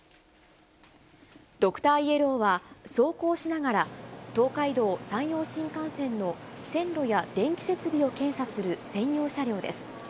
ドクターイエローは、走行しながら東海道・山陽新幹線の線路や電気設備を検査する専用車両です。